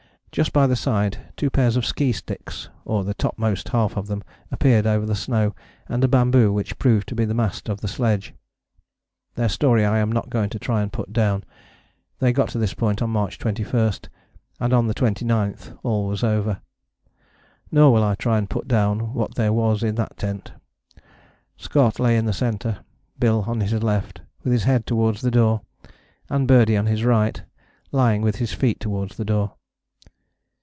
Just by the side two pairs of ski sticks, or the topmost half of them, appeared over the snow, and a bamboo which proved to be the mast of the sledge. Their story I am not going to try and put down. They got to this point on March 21, and on the 29th all was over. Nor will I try and put down what there was in that tent. Scott lay in the centre, Bill on his left, with his head towards the door, and Birdie on his right, lying with his feet towards the door.